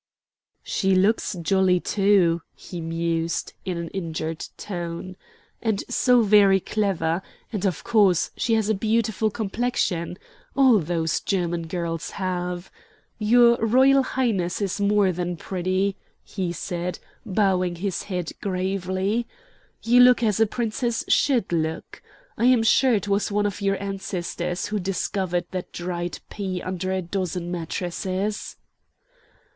"She looks jolly too," he mused, in an injured tone; "and so very clever; and of course she has a beautiful complexion. All those German girls have. Your Royal Highness is more than pretty," he said, bowing his head gravely. "You look as a princess should look. I am sure it was one of your ancestors who discovered the dried pea under a dozen mattresses."